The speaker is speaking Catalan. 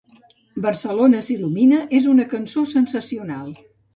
"Barcelona s'il·lumina" és una cançó sensacional.